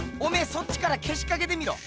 そっちからけしかけてみろ。